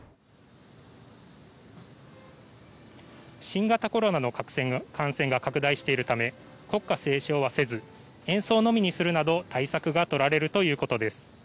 新型コロナの感染が拡大しているため国歌斉唱はせず演奏のみにするなど対策が取られるということです。